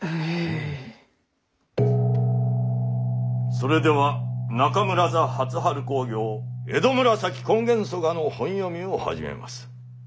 それでは中村座初春興行「江戸紫根元曽我」の本読みを始めます。